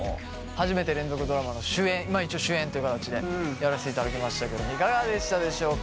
初めて連続ドラマの主演まあ一応主演という形でやらせていただきましたけどいかがでしたでしょうか。